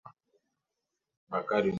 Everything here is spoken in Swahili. Kikombe kubwa.